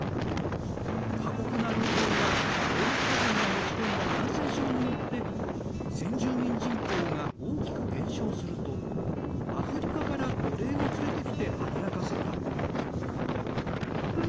過酷な労働やヨーロッパ人が持ち込んだ感染症によって先住民人口が大きく減少するとアフリカから奴隷を連れてきて働かせた。